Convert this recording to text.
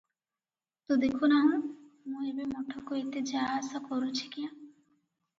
ତୁ ଦେଖୁ ନାହୁଁ, ମୁଁ ଏବେ ମଠକୁ ଏତେ ଯା-ଆସ କରୁଛି କ୍ୟାଁ?